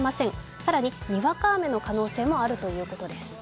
更ににわか雨の可能性もあるということです。